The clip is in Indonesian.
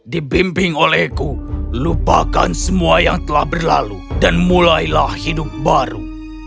dibimbing olehku lupakan semua yang telah berlalu dan mulailah hidup baru